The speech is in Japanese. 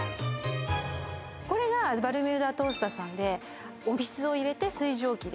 これがバルミューダトースターさんで、お水を入れて水蒸気で。